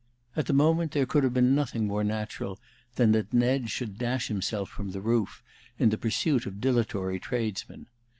At the moment there could have been nothing more natural than that Ned should dash himself from the roof in the pursuit of dilatory tradesmen.